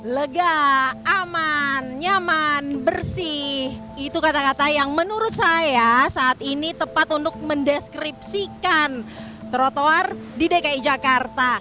lega aman nyaman bersih itu kata kata yang menurut saya saat ini tepat untuk mendeskripsikan trotoar di dki jakarta